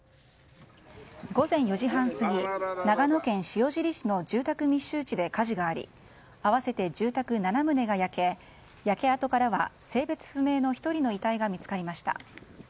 午前４時半過ぎ長野県塩尻市の住宅密集地で火事があり合わせて住宅７棟が焼け焼け跡からは、性別不明の１人の遺体が見つかりました。